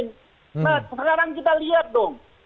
nah sekarang kita lihat dong